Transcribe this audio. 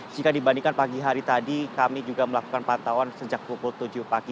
jika dibandingkan pagi hari tadi kami juga melakukan pantauan sejak pukul tujuh pagi